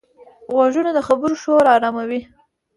غوږونه د خبرو شور آراموي